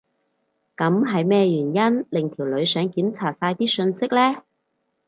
噉係咩原因令條女想檢查晒啲訊息呢？